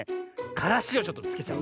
からしをちょっとつけちゃう。